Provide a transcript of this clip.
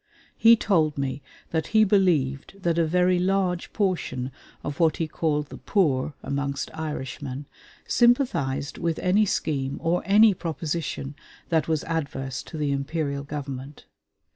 He told me that he believed that a very large portion of what he called the poor, amongst Irishmen, sympathized with any scheme or any proposition that was adverse to the Imperial Government.